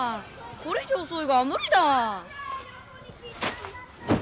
これ以上遅いがは無理だ。